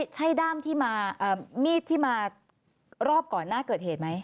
ใช่ด้ามที่มามีดที่มารอบก่อนหน้าเกิดเหตุไหม